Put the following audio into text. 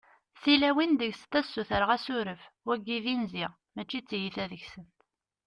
tilawin deg-sent ad ssutreɣ asuref, wagi d inzi mačči t-tiyita deg-sent